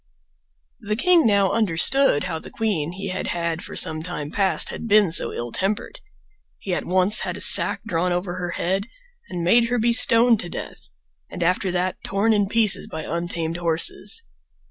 The king now understood how the queen he had had for some time past had been so ill tempered. He at once had a sack drawn over her head and made her be stoned to death, and after that torn in pieces by untamed horses.